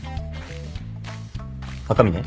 赤嶺？